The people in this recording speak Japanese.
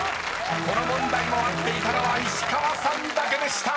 この問題も合っていたのは石川さんだけでした］